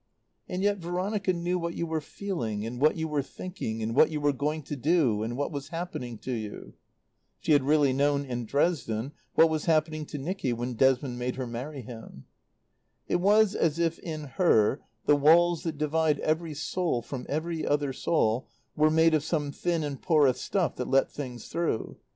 And yet Veronica knew what you were feeling and what you were thinking, and what you were going to do, and what was happening to you. (She had really known, in Dresden, what was happening to Nicky when Desmond made him marry her.) It was as if in her the walls that divide every soul from every other soul were made of some thin and porous stuff that let things through.